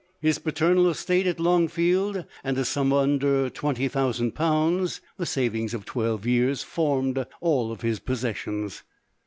I lis paternal estate at Lono field, and a sum under twenty thousand pounds, the savings of twelve years, formed all his possessions.